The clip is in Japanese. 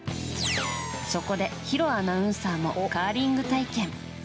そこで、弘アナウンサーもカーリング体験。